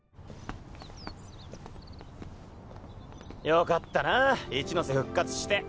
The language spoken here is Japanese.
よかったなぁ一ノ瀬復活して。